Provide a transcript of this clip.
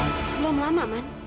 belum lama man